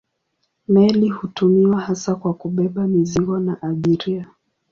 Meli hutumiwa hasa kwa kubeba mizigo na abiria.